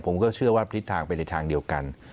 ผมก็เชื่อว่าทิศทางไปในทางเดียวกัน